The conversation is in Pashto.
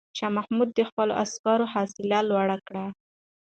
شاه محمود د خپلو عسکرو حوصله لوړه کړه.